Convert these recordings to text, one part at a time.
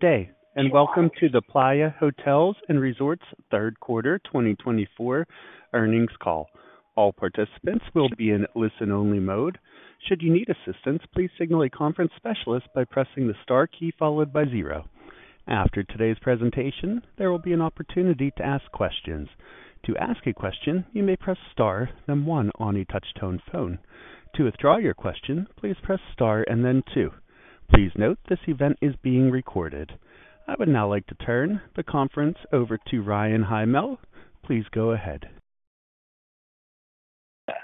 Good day, and welcome to the Playa Hotels & Resorts Q3 2024 earnings call. All participants will be in listen-only mode. Should you need assistance, please signal a conference specialist by pressing the Star key followed by zero. After today's presentation, there will be an opportunity to ask questions. To ask a question, you may press Star then one on a touch-tone phone. To withdraw your question, please press Star and then two. Please note this event is being recorded. I would now like to turn the conference over to Ryan Hymel. Please go ahead.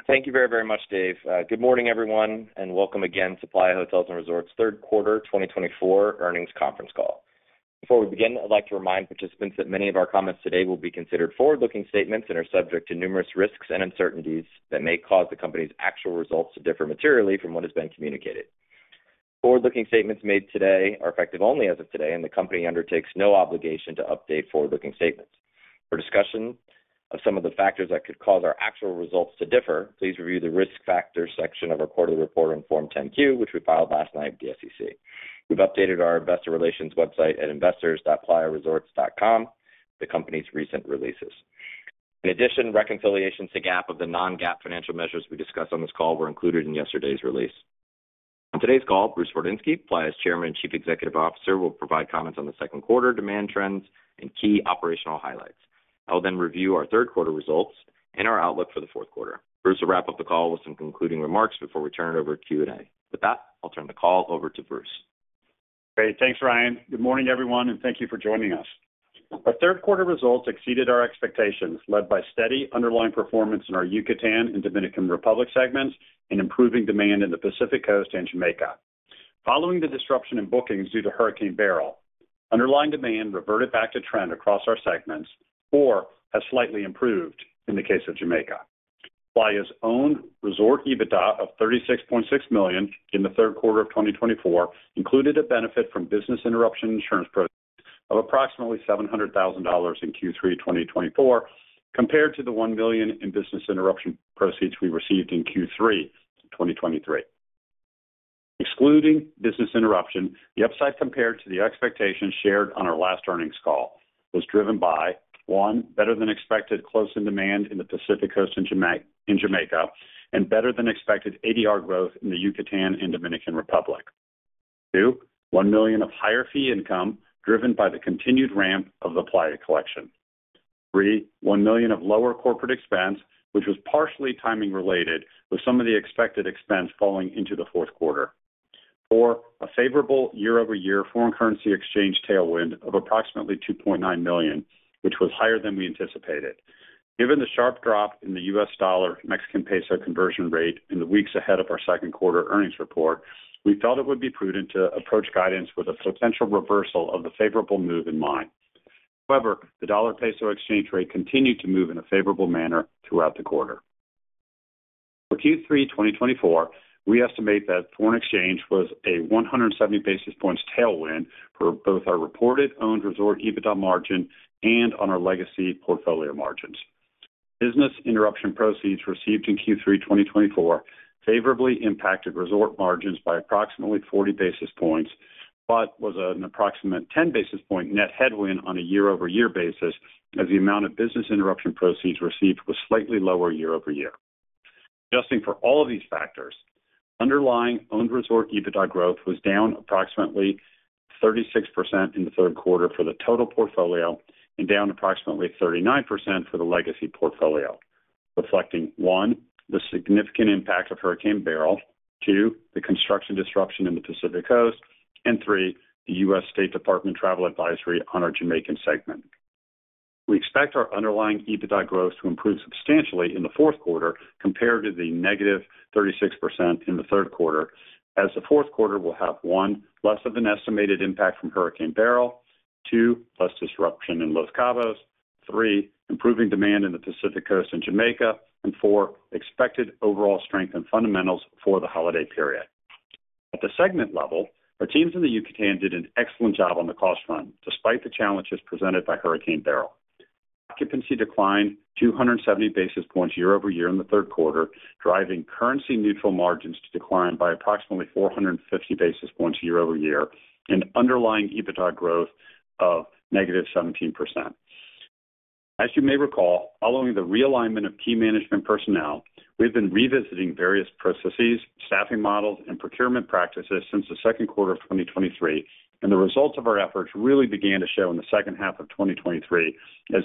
Thank you very, very much, Dave. Good morning, everyone, and welcome again to Playa Hotels & Resorts Q3 2024 earnings conference call. Before we begin, I'd like to remind participants that many of our comments today will be considered forward-looking statements and are subject to numerous risks and uncertainties that may cause the company's actual results to differ materially from what has been communicated. Forward-looking statements made today are effective only as of today, and the company undertakes no obligation to update forward-looking statements. For discussion of some of the factors that could cause our actual results to differ, please review the risk factor section of our quarterly report on Form Q 10, which we filed last night at the SEC. We've updated our investor relations website at investors.playaresorts.com. The company's recent releases. In addition, reconciliations to GAAP of the non-GAAP financial measures we discussed on this call were included in yesterday's release. On today's call, Bruce Wardinski, Playa's Chairman and Chief Executive Officer, will provide comments on the second quarter demand trends and key operational highlights. I'll then review our Q3 results and our outlook for the Q4. Bruce will wrap up the call with some concluding remarks before we turn it over to Q&A. With that, I'll turn the call over to Bruce. Great. Thanks, Ryan. Good morning, everyone, and thank you for joining us. Our Q3 results exceeded our expectations, led by steady underlying performance in our Yucatan and Dominican Republic segments and improving demand in the Pacific Coast and Jamaica. Following the disruption in bookings due to Hurricane Beryl, underlying demand reverted back to trend across our segments or has slightly improved in the case of Jamaica. Playa's own resort EBITDA of $36.6 million in the Q3 of 2024 included a benefit from business interruption insurance proceeds of approximately $700,000 in Q3 2024, compared to the $1 million in business interruption proceeds we received in Q3 2023. Excluding business interruption, the upside compared to the expectations shared on our last earnings call was driven by: one, better than expected close in demand in the Pacific Coast and Jamaica, and better than expected ADR growth in the Yucatan and Dominican Republic. Two, $1 million of higher fee income driven by the continued ramp of the Playa Collection. Three, $1 million of lower corporate expense, which was partially timing related with some of the expected expense falling into the Q4. Four, a favorable year-over-year foreign currency exchange tailwind of approximately $2.9 million, which was higher than we anticipated. Given the sharp drop in the US dollar/Mexican peso conversion rate in the weeks ahead of our Q2 earnings report, we felt it would be prudent to approach guidance with a potential reversal of the favorable move in mind. However, the dollar/peso exchange rate continued to move in a favorable manner throughout the quarter. For Q3 2024, we estimate that foreign exchange was a 170 basis points tailwind for both our reported owned resort EBITDA margin and on our legacy portfolio margins. Business interruption proceeds received in Q3 2024 favorably impacted resort margins by approximately 40 basis points, but was an approximate 10 basis point net headwind on a year-over-year basis, as the amount of business interruption proceeds received was slightly lower year-over-year. Adjusting for all of these factors, underlying owned resort EBITDA growth was down approximately 36% in the Q3 for the total portfolio and down approximately 39% for the legacy portfolio, reflecting one, the significant impact of Hurricane Beryl, two, the construction disruption in the Pacific Coast, and three, the U.S. State Department travel advisory on our Jamaican segment. We expect our underlying EBITDA growth to improve substantially in the Q4 compared to the negative 36% in the Q3, as the Q4 will have: one, less of an estimated impact from Hurricane Beryl, two, less disruption in Los Cabos, three, improving demand in the Pacific Coast and Jamaica, and four, expected overall strength and fundamentals for the holiday period. At the segment level, our teams in the Yucatan did an excellent job on the cost run, despite the challenges presented by Hurricane Beryl. Occupancy declined 270 basis points year-over-year in the Q3, driving currency-neutral margins to decline by approximately 450 basis points year-over-year and underlying EBITDA growth of negative 17%. As you may recall, following the realignment of key management personnel, we've been revisiting various processes, staffing models, and procurement practices since the second quarter of 2023, and the results of our efforts really began to show in the second half of 2023 as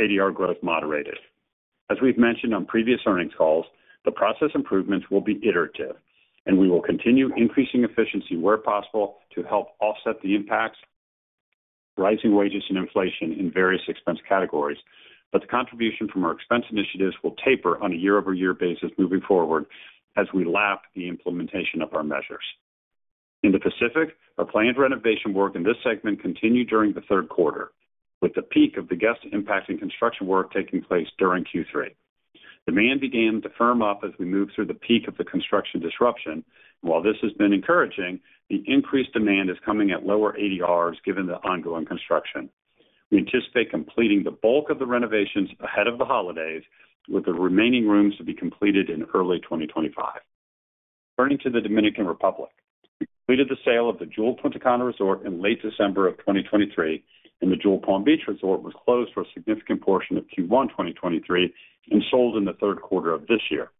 ADR growth moderated. As we've mentioned on previous earnings calls, the process improvements will be iterative, and we will continue increasing efficiency where possible to help offset the impacts of rising wages and inflation in various expense categories, but the contribution from our expense initiatives will taper on a year-over-year basis moving forward as we lap the implementation of our measures. In the Pacific, our planned renovation work in this segment continued during the Q3, with the peak of the guest impact in construction work taking place during Q3. Demand began to firm up as we moved through the peak of the construction disruption. While this has been encouraging, the increased demand is coming at lower ADRs given the ongoing construction. We anticipate completing the bulk of the renovations ahead of the holidays, with the remaining rooms to be completed in early 2025. Turning to the Dominican Republic, we completed the sale of the Jewel Punta Cana Resort in late December of 2023, and the Jewel Palm Beach Resort was closed for a significant portion of Q1 2023 and sold in the Q3 of this year.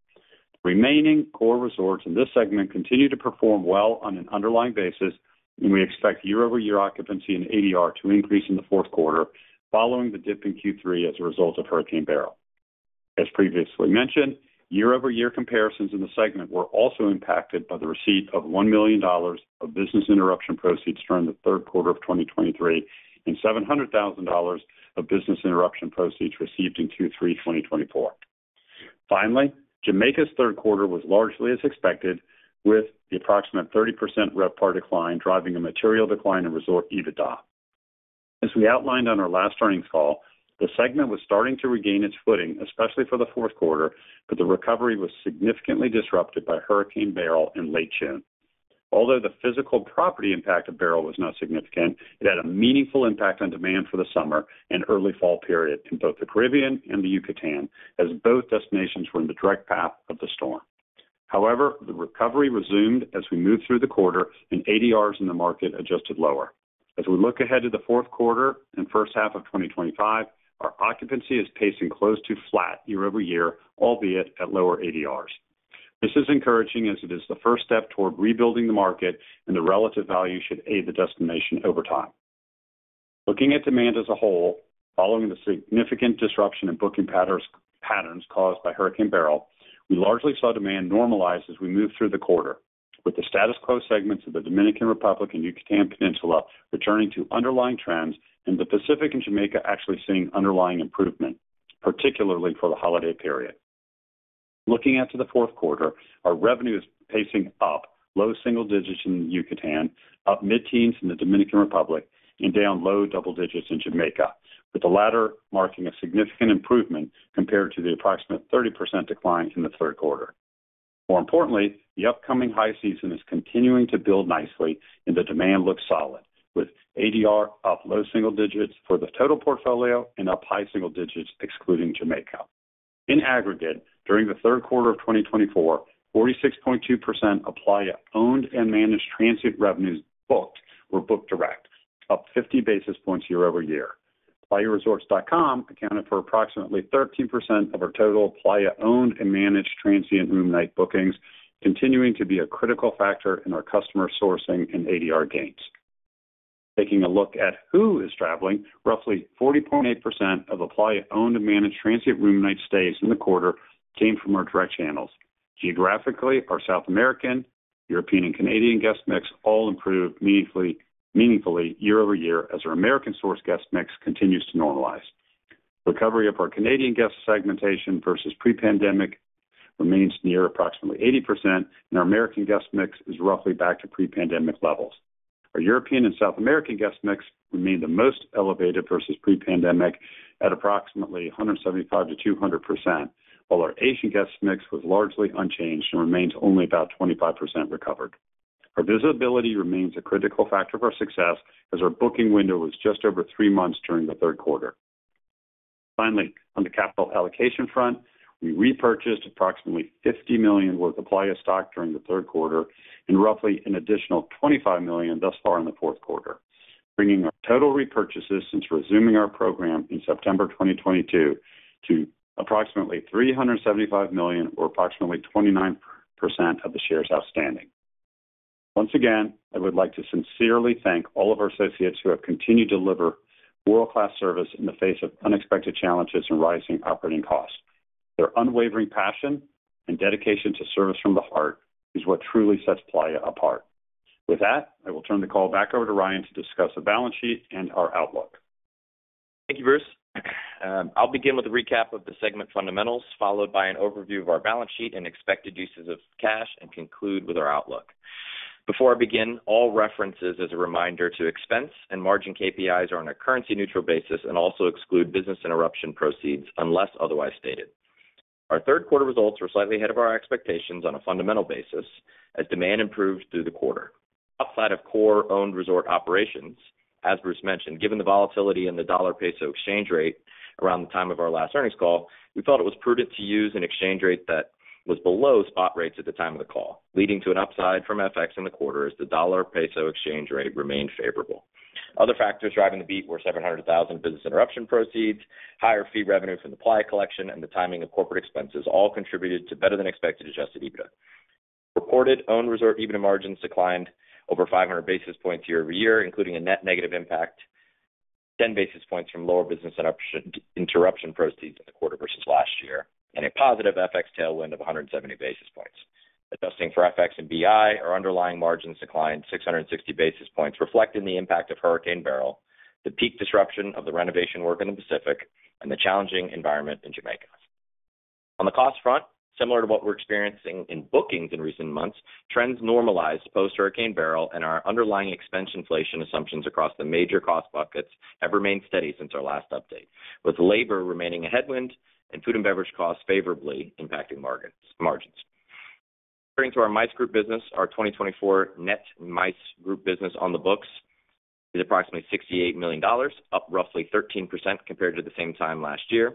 The remaining core resorts in this segment continue to perform well on an underlying basis, and we expect year-over-year occupancy and ADR to increase in the Q4 following the dip in Q3 as a result of Hurricane Beryl. As previously mentioned, year-over-year comparisons in the segment were also impacted by the receipt of $1 million of business interruption proceeds during the Q3 of 2023 and $700,000 of business interruption proceeds received in Q3 2024. Finally, Jamaica's Q3 was largely as expected, with the approximate 30% RevPAR decline driving a material decline in resort EBITDA. As we outlined on our last earnings call, the segment was starting to regain its footing, especially for the Q4 but the recovery was significantly disrupted by Hurricane Beryl in late June. Although the physical property impact of Beryl was not significant, it had a meaningful impact on demand for the summer and early fall period in both the Caribbean and the Yucatan, as both destinations were in the direct path of the storm. However, the recovery resumed as we moved through the quarter, and ADRs in the market adjusted lower. As we look ahead to the Q4 and first half of 2025, our occupancy is pacing close to flat year-over-year, albeit at lower ADRs. This is encouraging as it is the first step toward rebuilding the market, and the relative value should aid the destination over time. Looking at demand as a whole, following the significant disruption in booking patterns caused by Hurricane Beryl, we largely saw demand normalize as we moved through the quarter, with the status quo segments of the Dominican Republic and Yucatan Peninsula returning to underlying trends and the Pacific and Jamaica actually seeing underlying improvement, particularly for the holiday period. Looking at the Q4, our revenue is pacing up, low single digits in the Yucatan, up mid-teens in the Dominican Republic, and down low double digits in Jamaica, with the latter marking a significant improvement compared to the approximate 30% decline in the Q3. More importantly, the upcoming high season is continuing to build nicely, and the demand looks solid, with ADR up low single digits for the total portfolio and up high single digits excluding Jamaica. In aggregate, during the Q3 of 2024, 46.2% of Playa-owned and managed transient revenues booked were booked direct, up 50 basis points year-over-year. PlayaResorts.com accounted for approximately 13% of our total Playa-owned and managed transient room night bookings, continuing to be a critical factor in our customer sourcing and ADR gains. Taking a look at who is traveling, roughly 40.8% of the Playa-owned and managed transient room night stays in the quarter came from our direct channels. Geographically, our South American, European, and Canadian guest mix all improved meaningfully year-over-year as our American-source guest mix continues to normalize. Recovery of our Canadian guest segmentation versus pre-pandemic remains near approximately 80%, and our American guest mix is roughly back to pre-pandemic levels. Our European and South American guest mix remained the most elevated versus pre-pandemic at approximately 175%-200%, while our Asian guest mix was largely unchanged and remains only about 25% recovered. Our visibility remains a critical factor for success, as our booking window was just over three months during the Q3. Finally, on the capital allocation front, we repurchased approximately $50 million worth of Playa stock during the Q3 and roughly an additional $25 million thus far in the Q4, bringing our total repurchases since resuming our program in September 2022 to approximately $375 million, or approximately 29% of the shares outstanding. Once again, I would like to sincerely thank all of our associates who have continued to deliver world-class service in the face of unexpected challenges and rising operating costs. Their unwavering passion and dedication to service from the heart is what truly sets Playa apart. With that, I will turn the call back over to Ryan to discuss the balance sheet and our outlook. Thank you, Bruce. I'll begin with a recap of the segment fundamentals, followed by an overview of our balance sheet and expected uses of cash, and conclude with our outlook. Before I begin, all references, as a reminder, to expense and margin KPIs are on a currency-neutral basis and also exclude business interruption proceeds unless otherwise stated. Our Q3 results were slightly ahead of our expectations on a fundamental basis as demand improved through the quarter. Outside of core owned resort operations, as Bruce mentioned, given the volatility in the dollar/peso exchange rate around the time of our last earnings call, we felt it was prudent to use an exchange rate that was below spot rates at the time of the call, leading to an upside from FX in the quarter as the dollar/peso exchange rate remained favorable. Other factors driving the beat were $700,000 business interruption proceeds, higher fee revenue from the Playa Collection, and the timing of corporate expenses all contributed to better-than-expected adjusted EBITDA. Reported owned resort EBITDA margins declined over 500 basis points year-over-year, including a net negative impact of 10 basis points from lower business interruption proceeds in the quarter versus last year, and a positive FX tailwind of 170 basis points. Adjusting for FX and BI, our underlying margins declined 660 basis points, reflecting the impact of Hurricane Beryl, the peak disruption of the renovation work in the Pacific, and the challenging environment in Jamaica. On the cost front, similar to what we're experiencing in bookings in recent months, trends normalized post-Hurricane Beryl, and our underlying expense inflation assumptions across the major cost buckets have remained steady since our last update, with labor remaining a headwind and food and beverage costs favorably impacting margins. Returning to our MICE group business, our 2024 net MICE group business on the books is approximately $68 million, up roughly 13% compared to the same time last year.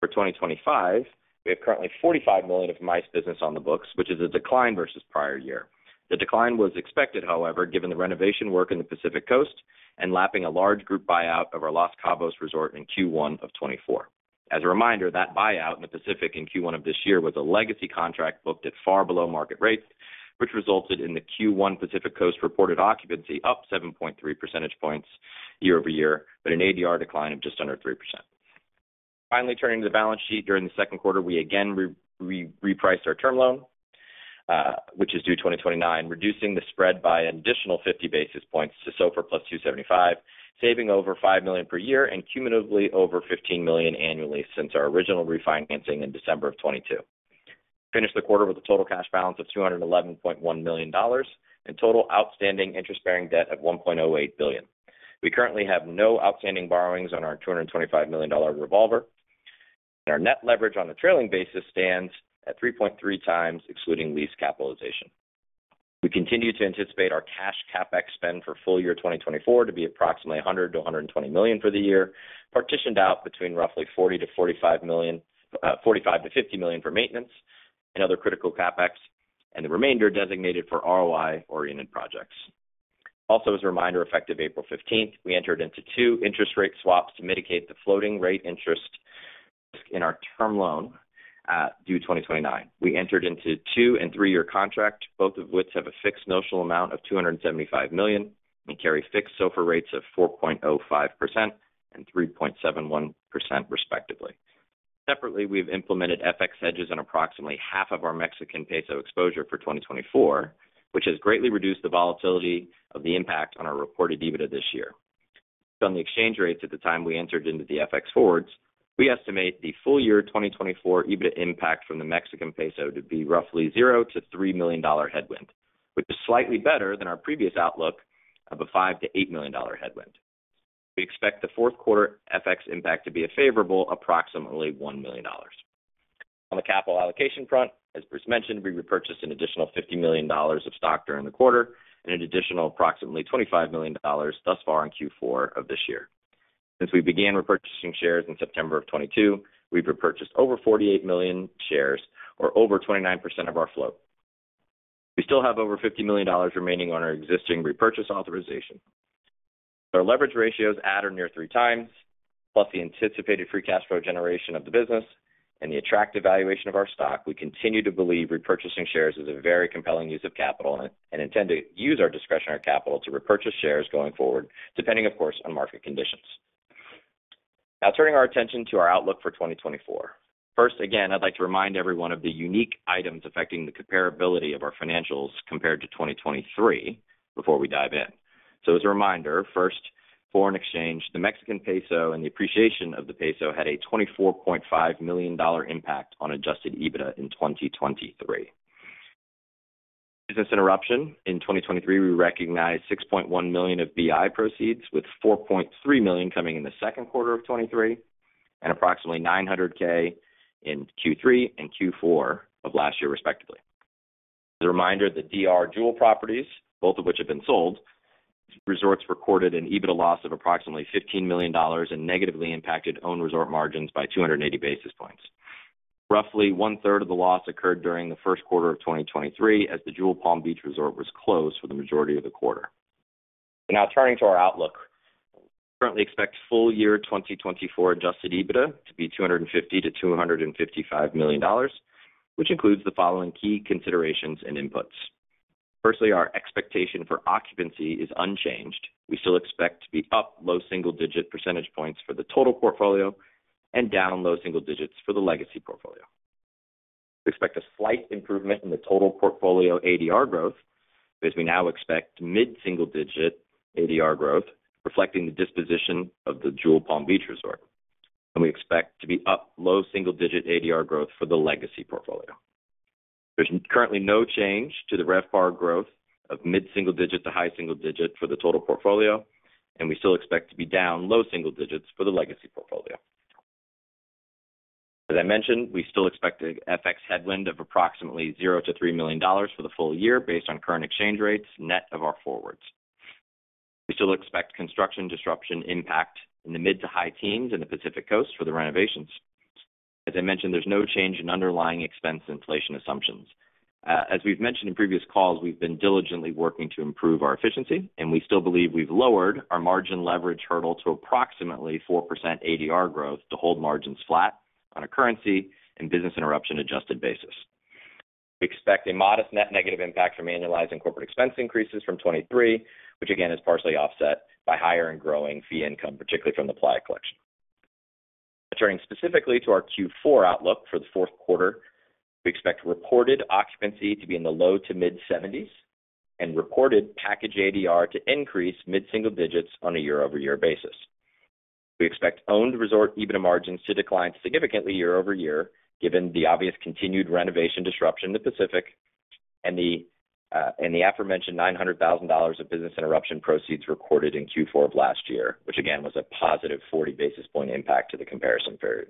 For 2025, we have currently $45 million of MICE business on the books, which is a decline versus prior year. The decline was expected, however, given the renovation work in the Pacific Coast and lapping a large group buyout of our Los Cabos Resort in Q1 of 2024. As a reminder, that buyout in the Pacific in Q1 of this year was a legacy contract booked at far below market rates, which resulted in the Q1 Pacific Coast reported occupancy up 7.3% points year-over-year, but an ADR decline of just under 3%. Finally, turning to the balance sheet, during the second quarter, we again repriced our term loan, which is due 2029, reducing the spread by an additional 50 basis points to SOFR plus 275, saving over $5 million per year and cumulatively over $15 million annually since our original refinancing in December of 2022. We finished the quarter with a total cash balance of $211.1 million and total outstanding interest-bearing debt of $1.08 billion. We currently have no outstanding borrowings on our $225 million revolver, and our net leverage on the trailing basis stands at 3.3 times excluding lease capitalization. We continue to anticipate our cash CapEx spend for full year 2024 to be approximately $100 million-$120 million for the year, partitioned out between roughly $40 million-$45 million for maintenance and other critical CapEx, and the remainder designated for ROI-oriented projects. Also, as a reminder, effective April 15th, we entered into two interest rate swaps to mitigate the floating rate interest risk in our term loan due 2029. We entered into two and three-year contracts, both of which have a fixed notional amount of $275 million and carry fixed SOFR rates of 4.05% and 3.71%, respectively. Separately, we have implemented FX hedges on approximately half of our Mexican peso exposure for 2024, which has greatly reduced the volatility of the impact on our reported EBITDA this year. Based on the exchange rates at the time we entered into the FX forwards, we estimate the full year 2024 EBITDA impact from the Mexican peso to be roughly $0-$3 million headwind, which is slightly better than our previous outlook of a $5-$8 million headwind. We expect the Q4 FX impact to be a favorable approximately $1 million. On the capital allocation front, as Bruce mentioned, we repurchased an additional $50 million of stock during the quarter and an additional approximately $25 million thus far in Q4 of this year. Since we began repurchasing shares in September of 2022, we've repurchased over 48 million shares, or over 29% of our float. We still have over $50 million remaining on our existing repurchase authorization. With our leverage ratios at or near three times, plus the anticipated Free Cash Flow generation of the business and the attractive valuation of our stock, we continue to believe repurchasing shares is a very compelling use of capital and intend to use our discretionary capital to repurchase shares going forward, depending, of course, on market conditions. Now, turning our attention to our outlook for 2024. First, again, I'd like to remind everyone of the unique items affecting the comparability of our financials compared to 2023 before we dive in. So, as a reminder, first, foreign exchange, the Mexican peso and the appreciation of the peso had a $24.5 million impact on Adjusted EBITDA in 2023. Business Interruption in 2023, we recognized $6.1 million of BI proceeds, with $4.3 million coming in the second quarter of 2023 and approximately $900,000 in Q3 and Q4 of last year, respectively. As a reminder, the DR Jewel Properties, both of which have been sold, resorts recorded an EBITDA loss of approximately $15 million and negatively impacted owned resort margins by 280 basis points. Roughly one-third of the loss occurred during the first quarter of 2023 as the Jewel Palm Beach Resort was closed for the majority of the quarter. So now, turning to our outlook, we currently expect full year 2024 adjusted EBITDA to be $250-$255 million, which includes the following key considerations and inputs. Firstly, our expectation for occupancy is unchanged. We still expect to be up low single-digit percentage points for the total portfolio and down low single digits for the legacy portfolio. We expect a slight improvement in the total portfolio ADR growth, as we now expect mid-single-digit ADR growth reflecting the disposition of the Jewel Palm Beach Resort, and we expect to be up low single-digit ADR growth for the legacy portfolio. There's currently no change to the RevPAR growth of mid-single-digit to high-single-digit for the total portfolio, and we still expect to be down low single-digits for the legacy portfolio. As I mentioned, we still expect an FX headwind of approximately $0 million-$3 million for the full year based on current exchange rates net of our forwards. We still expect construction disruption impact in the mid- to high-teens in the Pacific Coast for the renovations. As I mentioned, there's no change in underlying expense inflation assumptions. As we've mentioned in previous calls, we've been diligently working to improve our efficiency, and we still believe we've lowered our margin leverage hurdle to approximately 4% ADR growth to hold margins flat on a currency and business interruption adjusted basis. We expect a modest net negative impact from annualizing corporate expense increases from 2023, which again is partially offset by higher and growing fee income, particularly from the Playa Collection. Returning specifically to our Q4 outlook for the Q4, we expect reported occupancy to be in the low to mid-70s and reported package ADR to increase mid-single digits on a year-over-year basis. We expect owned resort EBITDA margins to decline significantly year-over-year, given the obvious continued renovation disruption in the Pacific and the aforementioned $900,000 of business interruption proceeds recorded in Q4 of last year, which again was a positive 40 basis points impact to the comparison period.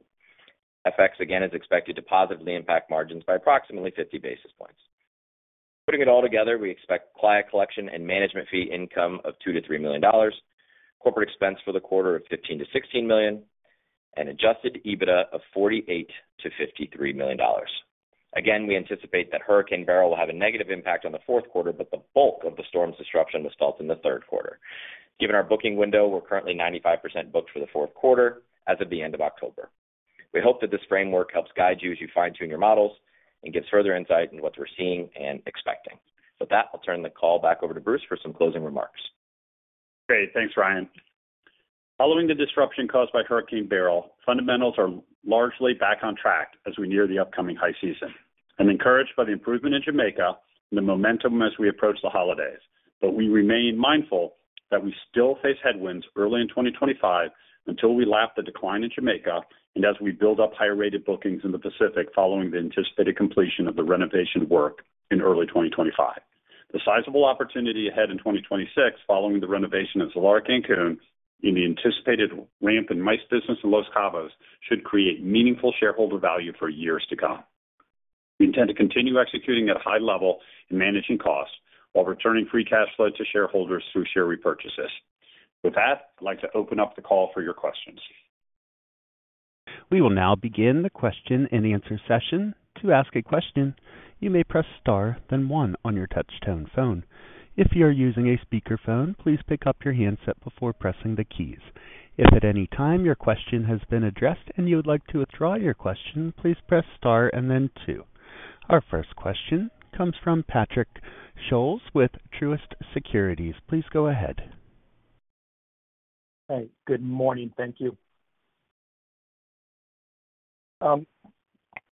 FX again is expected to positively impact margins by approximately 50 basis points. Putting it all together, we expect Playa Collection and management fee income of $2 million-$3 million, corporate expense for the quarter of $15 million-$16 million, and Adjusted EBITDA of $48 million-$53 million. Again, we anticipate that Hurricane Beryl will have a negative impact on the Q4, but the bulk of the storm's disruption was felt in the Q3. Given our booking window, we're currently 95% booked for the Q4 as of the end of October. We hope that this framework helps guide you as you fine-tune your models and gives further insight into what we're seeing and expecting. With that, I'll turn the call back over to Bruce for some closing remarks. Great. Thanks, Ryan. Following the disruption caused by Hurricane Beryl, fundamentals are largely back on track as we near the upcoming high season. I'm encouraged by the improvement in Jamaica and the momentum as we approach the holidays, but we remain mindful that we still face headwinds early in 2025 until we lap the decline in Jamaica and as we build up higher-rated bookings in the Pacific following the anticipated completion of the renovation work in early 2025. The sizable opportunity ahead in 2026 following the renovation of Zilara Cancun and the anticipated ramp in MICE business in Los Cabos should create meaningful shareholder value for years to come. We intend to continue executing at a high level and managing costs while returning free cash flow to shareholders through share repurchases. With that, I'd like to open up the call for your questions. We will now begin the question and answer session. To ask a question, you may press Star, then one on your touch-tone phone. If you are using a speakerphone, please pick up your handset before pressing the keys. If at any time your question has been addressed and you would like to withdraw your question, please press Star and then two. Our first question comes from Patrick Scholes with Truist Securities. Please go ahead. Hey. Good morning. Thank you.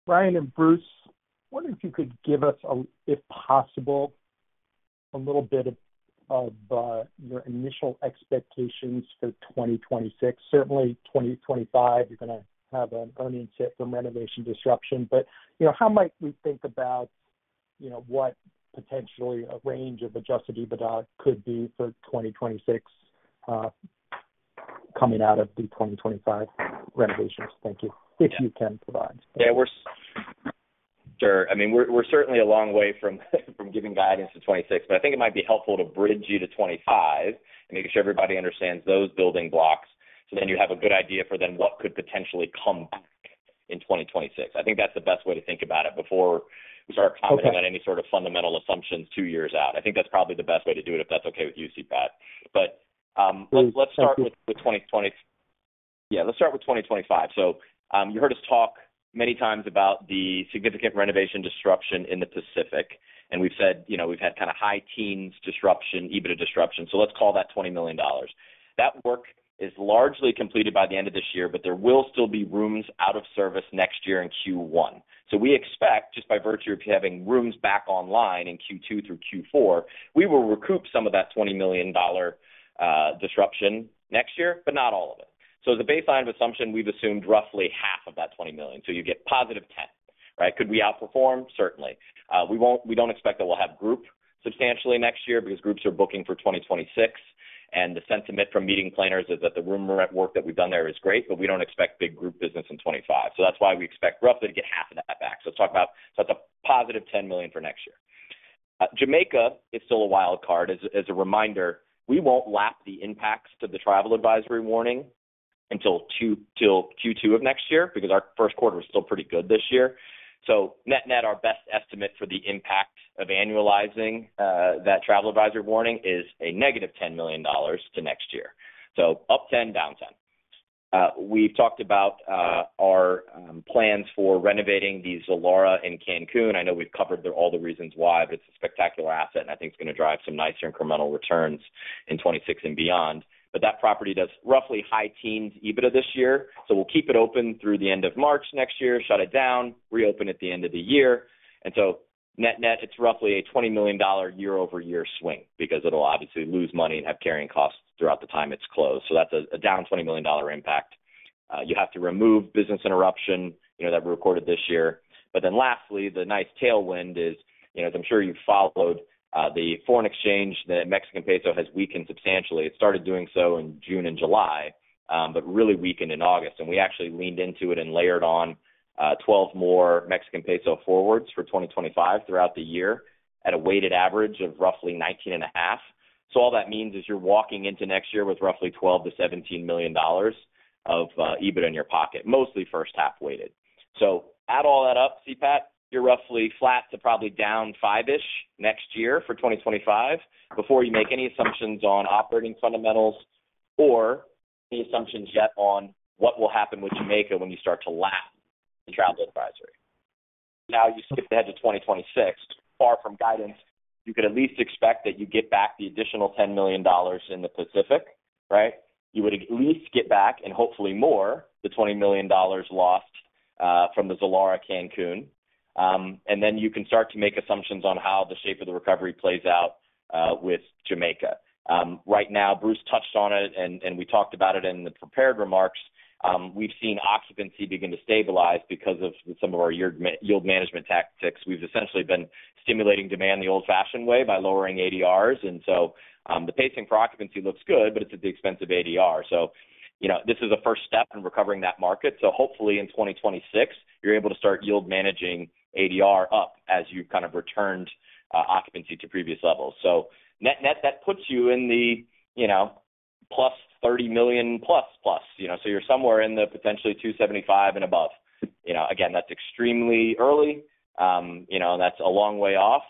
Ryan and Bruce, I wonder if you could give us, if possible, a little bit of your initial expectations for 2026. Certainly, 2025, you're going to have an earnings hit from renovation disruption. But how might we think about what potentially a range of Adjusted EBITDA could be for 2026 coming out of the 2025 renovations? Thank you. If you can provide. Yeah. Sure. I mean, we're certainly a long way from giving guidance for 2026, but I think it might be helpful to bridge you to 2025 and make sure everybody understands those building blocks so then you have a good idea for then what could potentially come back in 2026. I think that's the best way to think about it before we start commenting on any sort of fundamental assumptions two years out. I think that's probably the best way to do it if that's okay with you, CPAT. But let's start with 2025. Yeah. Let's start with 2025. So you heard us talk many times about the significant renovation disruption in the Pacific, and we've said we've had kind of high teens disruption, EBITDA disruption. So let's call that $20 million. That work is largely completed by the end of this year, but there will still be rooms out of service next year in Q1. So we expect, just by virtue of having rooms back online in Q2 through Q4, we will recoup some of that $20 million disruption next year, but not all of it. So as a baseline of assumption, we've assumed roughly half of that $20 million. So you get positive $10 million, right? Could we outperform? Certainly. We don't expect that we'll have group substantially next year because groups are booking for 2026, and the sentiment from meeting planners is that the room rent work that we've done there is great, but we don't expect big group business in 2025. So that's why we expect roughly to get half of that back. So let's talk about that. That's a positive $10 million for next year. Jamaica is still a wild card. As a reminder, we won't lap the impacts to the travel advisory warning until Q2 of next year because our first quarter was still pretty good this year. So net-net, our best estimate for the impact of annualizing that travel advisory warning is a negative $10 million to next year. So up 10, down 10. We've talked about our plans for renovating the Zilara in Cancun. I know we've covered all the reasons why, but it's a spectacular asset, and I think it's going to drive some nice incremental returns in 2026 and beyond. But that property does roughly high teens EBITDA this year, so we'll keep it open through the end of March next year, shut it down, reopen at the end of the year. And so net-net, it's roughly a $20 million year-over-year swing because it'll obviously lose money and have carrying costs throughout the time it's closed. So that's a down $20 million impact. You have to remove business interruption that we recorded this year. But then lastly, the nice tailwind is, as I'm sure you've followed, the foreign exchange, the Mexican peso has weakened substantially. It started doing so in June and July, but really weakened in August. And we actually leaned into it and layered on 12 more Mexican peso forwards for 2025 throughout the year at a weighted average of roughly 19.5. So all that means is you're walking into next year with roughly $12 million-$17 million of EBITDA in your pocket, mostly first half weighted. Add all that up, CapEx, you're roughly flat to probably down five-ish next year for 2025 before you make any assumptions on operating fundamentals or any assumptions yet on what will happen with Jamaica when you start to lap the travel advisory. Now, you skip ahead to 2026, far from guidance, you could at least expect that you get back the additional $10 million in the Pacific, right? You would at least get back, and hopefully more, the $20 million lost from the Zilara Cancun. And then you can start to make assumptions on how the shape of the recovery plays out with Jamaica. Right now, Bruce touched on it, and we talked about it in the prepared remarks. We've seen occupancy begin to stabilize because of some of our yield management tactics. We've essentially been stimulating demand the old-fashioned way by lowering ADRs. The pacing for occupancy looks good, but it's at the expense of ADR. This is a first step in recovering that market. Hopefully in 2026, you're able to start yield managing ADR up as you've kind of returned occupancy to previous levels. Net-net, that puts you in the plus $30 million plus-plus. You're somewhere in the potentially $275 and above. Again, that's extremely early. That's a long way off.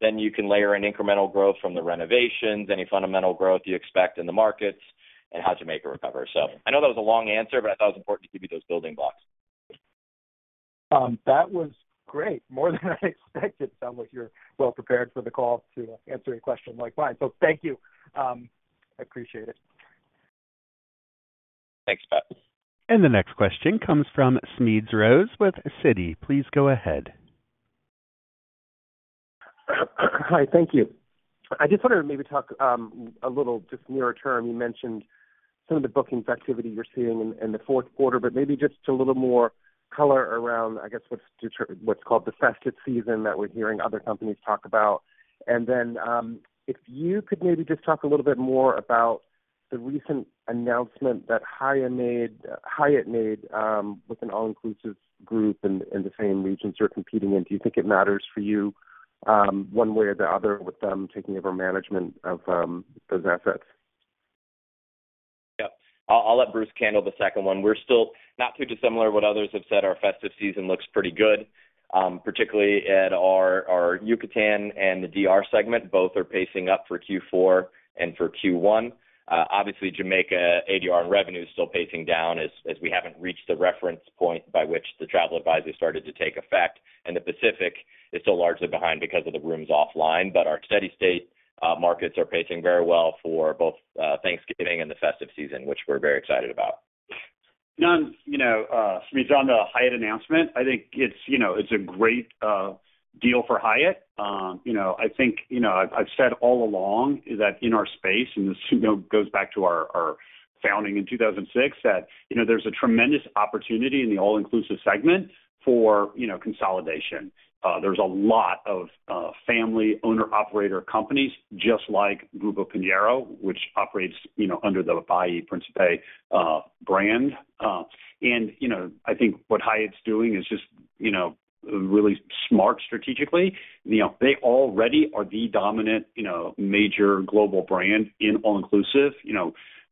Then you can layer in incremental growth from the renovations, any fundamental growth you expect in the markets, and how Jamaica recovers. I know that was a long answer, but I thought it was important to give you those building blocks. That was great. More than I expected. It sounds like you're well prepared for the call to answer a question like mine. So thank you. I appreciate it. Thanks, Pat. The next question comes from Smedes Rose with Citi. Please go ahead. Hi. Thank you. I just wanted to maybe talk a little just nearer term. You mentioned some of the bookings activity you're seeing in the Q4, but maybe just a little more color around, I guess, what's called the festive season that we're hearing other companies talk about. And then if you could maybe just talk a little bit more about the recent announcement that Hyatt made with an all-inclusive group in the same regions you're competing in. Do you think it matters for you one way or the other with them taking over management of those assets? Yep. I'll let Bruce handle the second one. We're still not too dissimilar to what others have said. Our festive season looks pretty good, particularly at our Yucatan and the DR segment. Both are pacing up for Q4 and for Q1. Obviously, Jamaica ADR and revenue is still pacing down as we haven't reached the reference point by which the travel advisory started to take effect, and the Pacific is still largely behind because of the rooms offline, but our steady-state markets are pacing very well for both Thanksgiving and the festive season, which we're very excited about. None. Smedes, on the Hyatt announcement, I think it's a great deal for Hyatt. I think I've said all along that in our space, and this goes back to our founding in 2006, that there's a tremendous opportunity in the all-inclusive segment for consolidation. There's a lot of family owner-operator companies just like Grupo Piñero, which operates under the Bahia Principe brand, and I think what Hyatt's doing is just really smart strategically. They already are the dominant major global brand in all-inclusive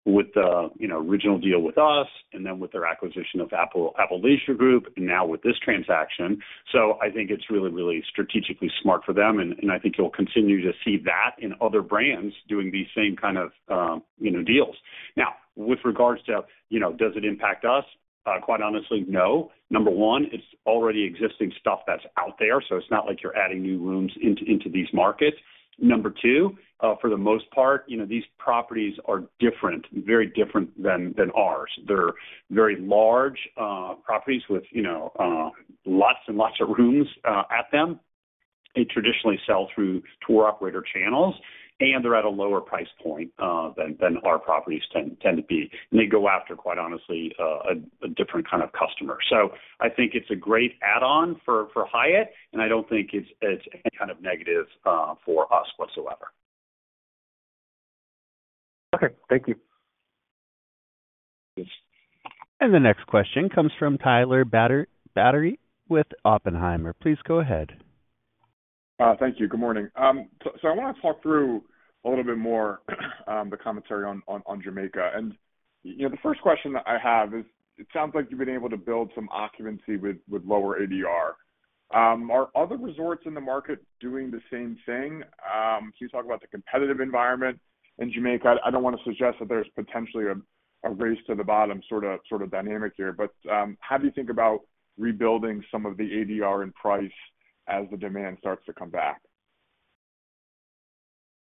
with the original deal with us and then with their acquisition of Apple Leisure Group and now with this transaction, so I think it's really, really strategically smart for them, and I think you'll continue to see that in other brands doing these same kind of deals. Now, with regards to, does it impact us? Quite honestly, no. Number one, it's already existing stuff that's out there, so it's not like you're adding new rooms into these markets. Number two, for the most part, these properties are different, very different than ours. They're very large properties with lots and lots of rooms at them. They traditionally sell through tour operator channels, and they're at a lower price point than our properties tend to be. And they go after, quite honestly, a different kind of customer. So I think it's a great add-on for Hyatt, and I don't think it's any kind of negative for us whatsoever. Okay. Thank you. The next question comes from Tyler Batory with Oppenheimer. Please go ahead. Thank you. Good morning, so I want to talk through a little bit more of the commentary on Jamaica, and the first question that I have is, it sounds like you've been able to build some occupancy with lower ADR. Are other resorts in the market doing the same thing? Can you talk about the competitive environment in Jamaica? I don't want to suggest that there's potentially a race to the bottom sort of dynamic here, but how do you think about rebuilding some of the ADR and price as the demand starts to come back?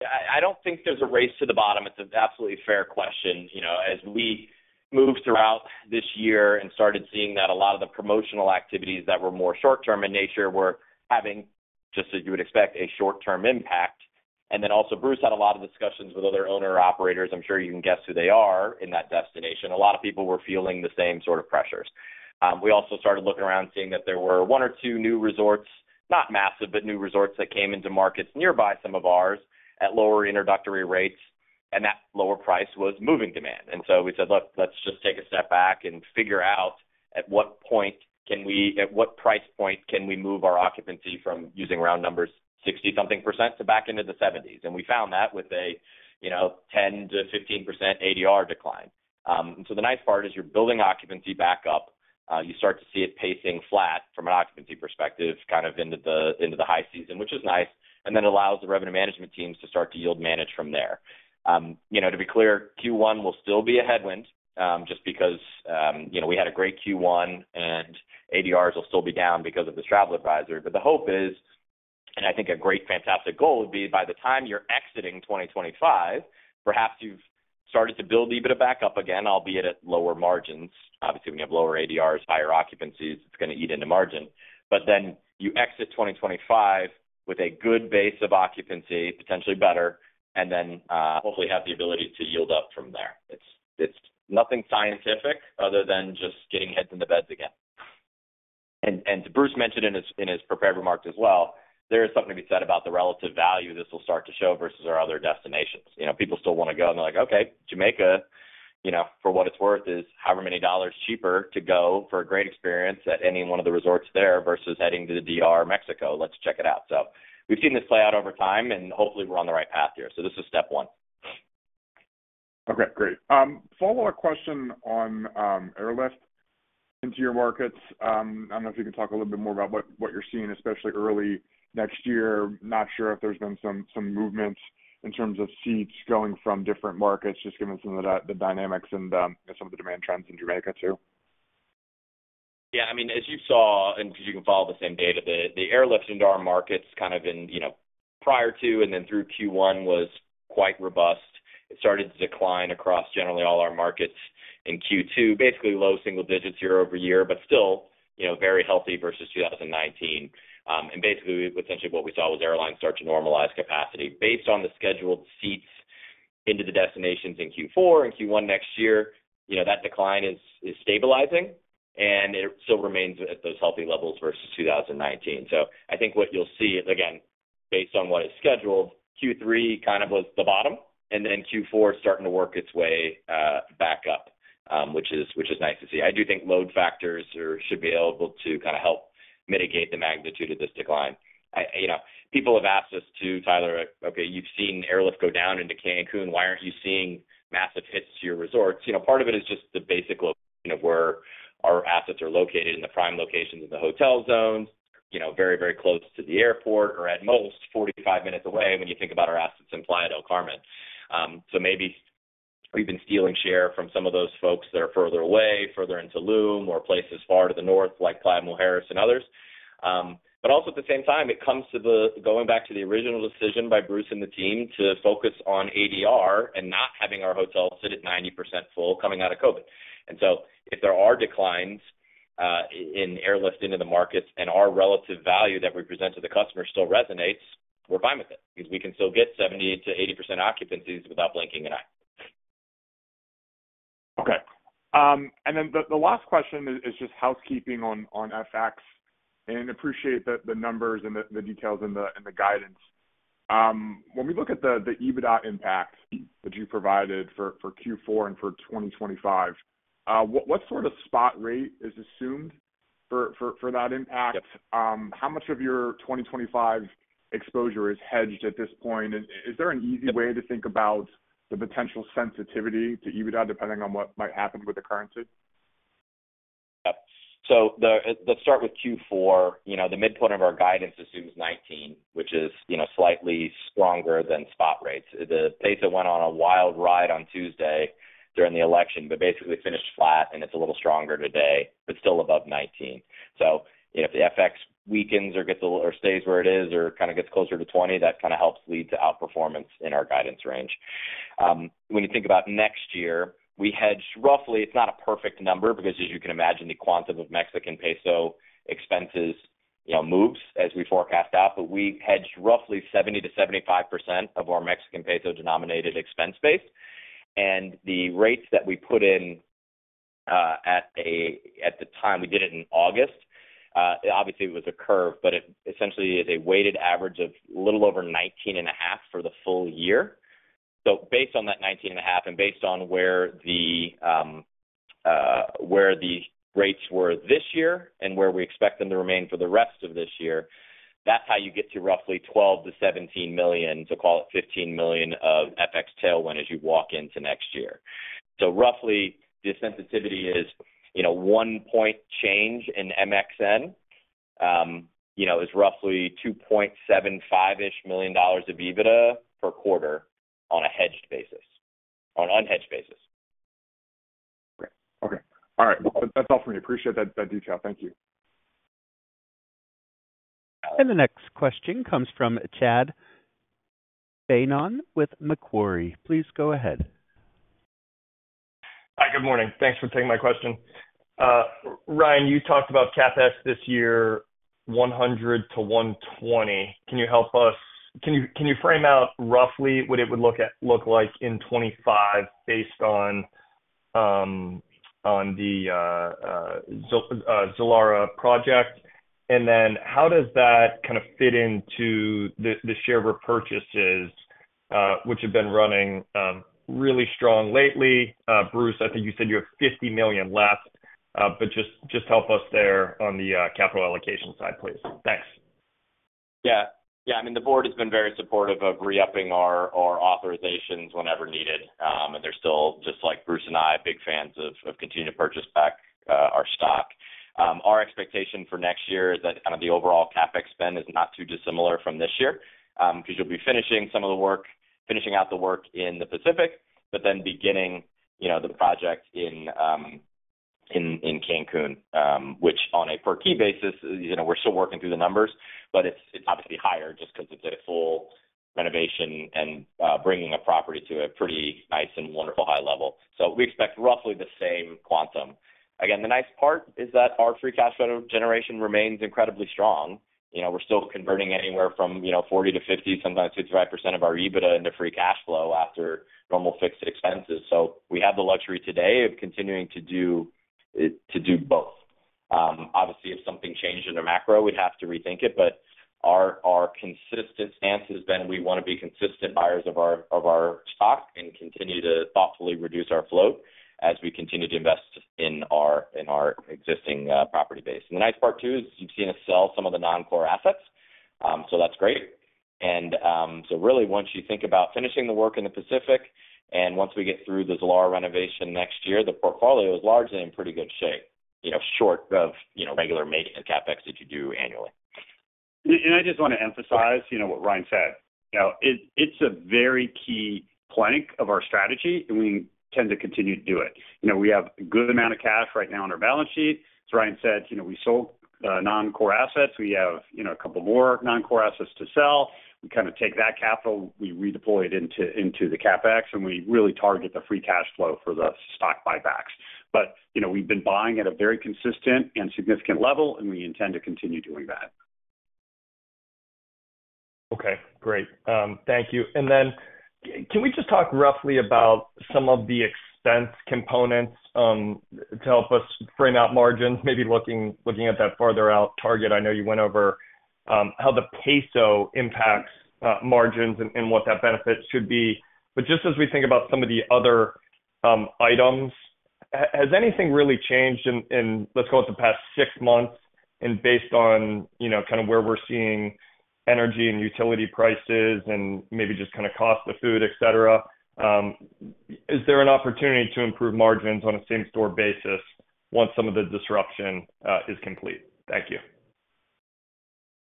Yeah. I don't think there's a race to the bottom. It's an absolutely fair question. As we moved throughout this year and started seeing that a lot of the promotional activities that were more short-term in nature were having, just as you would expect, a short-term impact. And then also, Bruce had a lot of discussions with other owner-operators. I'm sure you can guess who they are in that destination. A lot of people were feeling the same sort of pressures. We also started looking around, seeing that there were one or two new resorts, not massive, but new resorts that came into markets nearby some of ours at lower introductory rates, and that lower price was moving demand. And so we said, "Look, let's just take a step back and figure out at what point can we at what price point can we move our occupancy from using round numbers, 60-something% to back into the 70s?" And we found that with a 10%-15% ADR decline. And so the nice part is you're building occupancy back up. You start to see it pacing flat from an occupancy perspective kind of into the high season, which is nice, and then it allows the revenue management teams to start to yield manage from there. To be clear, Q1 will still be a headwind just because we had a great Q1, and ADRs will still be down because of this travel advisory. But the hope is, and I think a great fantastic goal would be, by the time you're exiting 2025, perhaps you've started to build EBITDA back up again, albeit at lower margins. Obviously, when you have lower ADRs, higher occupancies, it's going to eat into margin. But then you exit 2025 with a good base of occupancy, potentially better, and then hopefully have the ability to yield up from there. It's nothing scientific other than just getting heads into beds again. And Bruce mentioned in his prepared remarks as well, there is something to be said about the relative value this will start to show versus our other destinations. People still want to go, and they're like, "Okay. Jamaica, for what it's worth, is however many dollars cheaper to go for a great experience at any one of the resorts there versus heading to the DR Mexico. Let's check it out." So we've seen this play out over time, and hopefully we're on the right path here. So this is step one. Okay. Great. Follow-up question on airlift into your markets. I don't know if you can talk a little bit more about what you're seeing, especially early next year. Not sure if there's been some movement in terms of seats going from different markets, just given some of the dynamics and some of the demand trends in Jamaica too. Yeah. I mean, as you saw, and if you can follow the same data, the airlift in our markets kind of in prior to and then through Q1 was quite robust. It started to decline across generally all our markets in Q2, basically low single digits year over year, but still very healthy versus 2019. And basically, essentially what we saw was airlines start to normalize capacity. Based on the scheduled seats into the destinations in Q4 and Q1 next year, that decline is stabilizing, and it still remains at those healthy levels versus 2019. So I think what you'll see, again, based on what is scheduled, Q3 kind of was the bottom, and then Q4 is starting to work its way back up, which is nice to see. I do think load factors should be able to kind of help mitigate the magnitude of this decline. People have asked us too, Tyler, "Okay. You've seen airlift go down into Cancun. Why aren't you seeing massive hits to your resorts?" Part of it is just the basic location of where our assets are located in the prime locations in the hotel zones, very, very close to the airport or at most 45 minutes away when you think about our assets in Playa del Carmen. So maybe we've been stealing share from some of those folks that are further away, further into Tulum or places far to the north like Playa Mujeres and others. But also at the same time, it comes to the going back to the original decision by Bruce and the team to focus on ADR and not having our hotels sit at 90% full coming out of COVID. And so if there are declines in airlift into the markets and our relative value that we present to the customer still resonates, we're fine with it because we can still get 70%-80% occupancies without blinking an eye. Okay. And then the last question is just housekeeping on FX. And I appreciate the numbers and the details and the guidance. When we look at the EBITDA impact that you provided for Q4 and for 2025, what sort of spot rate is assumed for that impact? How much of your 2025 exposure is hedged at this point? Is there an easy way to think about the potential sensitivity to EBITDA depending on what might happen with the currency? Yeah. So let's start with Q4. The midpoint of our guidance assumes 19, which is slightly stronger than spot rates. The data went on a wild ride on Tuesday during the election, but basically finished flat, and it's a little stronger today, but still above 19. So if the FX weakens or stays where it is or kind of gets closer to 20, that kind of helps lead to outperformance in our guidance range. When you think about next year, we hedged roughly. It's not a perfect number because, as you can imagine, the quantum of Mexican peso expenses moves as we forecast out. But we hedged roughly 70%-75% of our Mexican peso denominated expense base. And the rates that we put in at the time we did it in August, obviously it was a curve, but it essentially is a weighted average of a little over 19 and a half for the full year. So based on that 19 and a half and based on where the rates were this year and where we expect them to remain for the rest of this year, that's how you get to roughly $12-17 million, to call it $15 million of FX tailwind as you walk into next year. So roughly, the sensitivity is one point change in MXN is roughly $2.75-ish million dollars of EBITDA per quarter on a hedged basis, on unhedged basis. Okay. Okay. All right. That's all for me. Appreciate that detail. Thank you. The next question comes from Chad Beynon with Macquarie. Please go ahead. Hi. Good morning. Thanks for taking my question. Ryan, you talked about CapEx this year, $100 million-$120 million. Can you help us? Can you frame out roughly what it would look like in 2025 based on the Zilara project? And then how does that kind of fit into the share repurchases, which have been running really strong lately? Bruce, I think you said you have $50 million left, but just help us there on the capital allocation side, please. Thanks. Yeah. Yeah. I mean, the board has been very supportive of re-upping our authorizations whenever needed, and they're still, just like Bruce and I, big fans of continuing to purchase back our stock. Our expectation for next year is that kind of the overall CapEx spend is not too dissimilar from this year because you'll be finishing some of the work, finishing out the work in the Pacific, but then beginning the project in Cancun, which on a per-key basis, we're still working through the numbers, but it's obviously higher just because it's a full renovation and bringing a property to a pretty nice and wonderful high level. So we expect roughly the same quantum. Again, the nice part is that our free cash flow generation remains incredibly strong. We're still converting anywhere from 40%-50%, sometimes 55% of our EBITDA into free cash flow after normal fixed expenses. So we have the luxury today of continuing to do both. Obviously, if something changed in the macro, we'd have to rethink it. But our consistent stance has been we want to be consistent buyers of our stock and continue to thoughtfully reduce our float as we continue to invest in our existing property base. And the nice part too is you've seen us sell some of the non-core assets. So that's great. And so really, once you think about finishing the work in the Pacific and once we get through the Zilara renovation next year, the portfolio is largely in pretty good shape, short of regular maintenance CapEx that you do annually. And I just want to emphasize what Ryan said. It's a very key plank of our strategy, and we tend to continue to do it. We have a good amount of cash right now on our balance sheet. As Ryan said, we sold non-core assets. We have a couple more non-core assets to sell. We kind of take that capital, we redeploy it into the CapEx, and we really target the free cash flow for the stock buybacks. But we've been buying at a very consistent and significant level, and we intend to continue doing that. Okay. Great. Thank you. And then can we just talk roughly about some of the expense components to help us frame out margins, maybe looking at that farther out target? I know you went over how the peso impacts margins and what that benefit should be. But just as we think about some of the other items, has anything really changed in, let's call it, the past six months? And based on kind of where we're seeing energy and utility prices and maybe just kind of cost of food, etc., is there an opportunity to improve margins on a same-store basis once some of the disruption is complete? Thank you.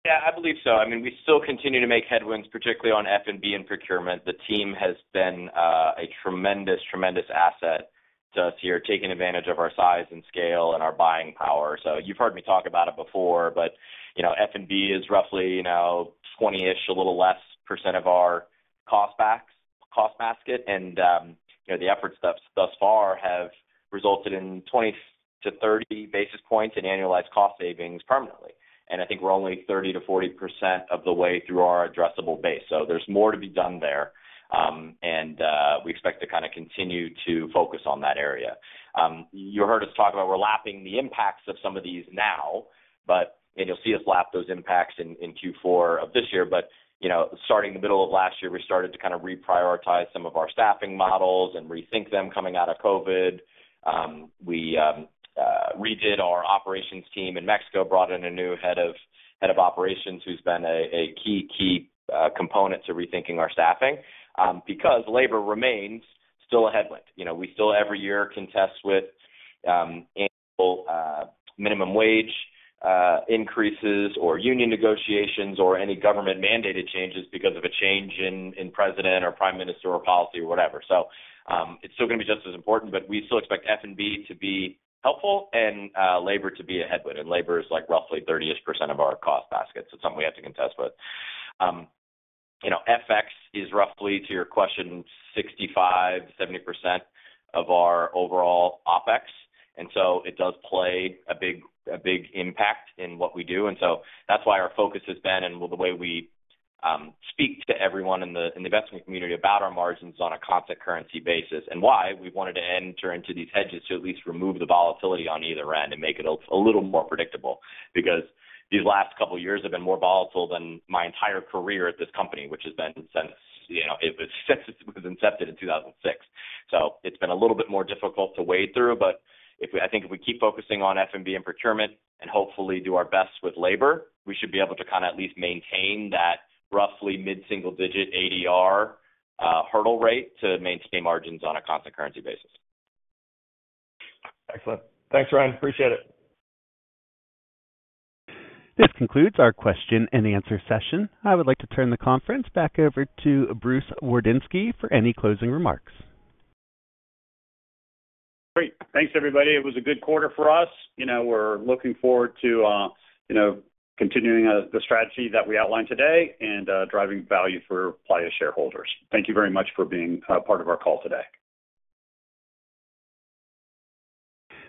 Yeah. I believe so. I mean, we still continue to make headwinds, particularly on F&B and procurement. The team has been a tremendous, tremendous asset to us here, taking advantage of our size and scale and our buying power. So you've heard me talk about it before, but F&B is roughly 20-ish, a little less% of our cost basket. And the efforts thus far have resulted in 20-30 basis points in annualized cost savings permanently. And I think we're only 30%-40% of the way through our addressable base. So there's more to be done there, and we expect to kind of continue to focus on that area. You heard us talk about we're lapping the impacts of some of these now, and you'll see us lap those impacts in Q4 of this year. Starting in the middle of last year, we started to kind of reprioritize some of our staffing models and rethink them coming out of COVID. We redid our operations team in Mexico, brought in a new head of operations who's been a key, key component to rethinking our staffing because labor remains still a headwind. We still, every year, contend with minimum wage increases or union negotiations or any government-mandated changes because of a change in president or prime minister or policy or whatever. So it's still going to be just as important, but we still expect F&B to be helpful and labor to be a headwind. And labor is like roughly 30% of our cost basket. So it's something we have to contend with. FX is roughly, to your question, 65-70% of our overall OPEX. It does have a big impact in what we do. That's why our focus has been and the way we speak to everyone in the investment community about our margins on a constant currency basis and why we wanted to enter into these hedges to at least remove the volatility on either end and make it a little more predictable because these last couple of years have been more volatile than my entire career at this company, which has been since it was incepted in 2006. It's been a little bit more difficult to wade through. I think if we keep focusing on F&B and procurement and hopefully do our best with labor, we should be able to kind of at least maintain that roughly mid-single-digit ADR hurdle rate to maintain margins on a constant currency basis. Excellent. Thanks, Ryan. Appreciate it. This concludes our question and answer session. I would like to turn the conference back over to Bruce Wardinski for any closing remarks. Great. Thanks, everybody. It was a good quarter for us. We're looking forward to continuing the strategy that we outlined today and driving value for Playa shareholders. Thank you very much for being part of our call today.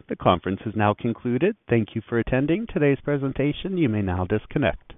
The conference has now concluded. Thank you for attending today's presentation. You may now disconnect.